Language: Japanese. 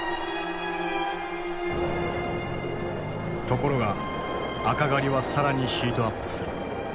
ところが赤狩りは更にヒートアップする。